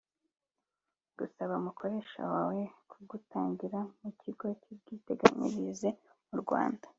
Gusaba umukoresha wawe kugutangira mu Kigo cy’Ubwiteganyirize mu Rwanda